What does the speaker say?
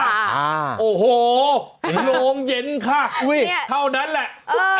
อาโอ้โหโหโรงเย็นค่ะเท่านั้นแหละ